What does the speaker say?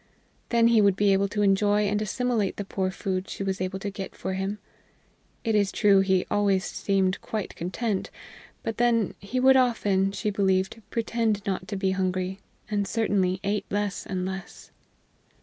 Then he would be able to enjoy and assimilate the poor food she was able to get for him. It is true he always seemed quite content; but, then, he would often, she believed, pretend not to be hungry, and certainly ate less and less.